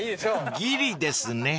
［ギリですね］